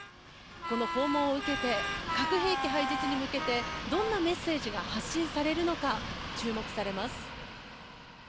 この訪問を受けて核兵器廃絶に向けてどんなメッセージが発信されるのか、注目されます。